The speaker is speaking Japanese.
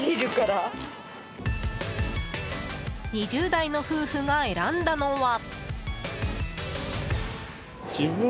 ２０代の夫婦が選んだのは。